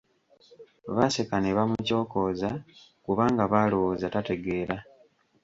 Baaseka ne bamukyokooza kubanga baalowooza tategeera.